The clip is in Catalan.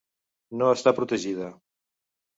No està protegida.